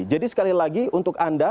jadi sekali lagi untuk anda